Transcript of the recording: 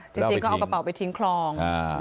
จริงก็เอากระเป๋าไปทิ้งคลอง